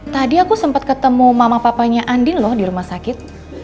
tadi aku sempat ketemu mama papanya andin loh di rumah sakit